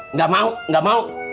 nggak mau nggak mau